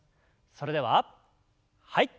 それでははい。